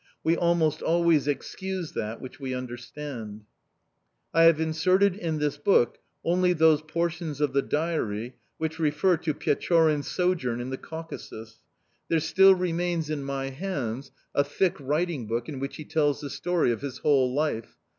We almost always excuse that which we understand. I have inserted in this book only those portions of the diary which refer to Pechorin's sojourn in the Caucasus. There still remains in my hands a thick writing book in which he tells the story of his whole life.